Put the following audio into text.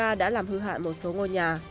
kozhenka đã làm hư hại một số ngôi nhà